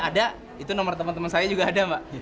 ada itu nomor temen temen saya juga ada mbak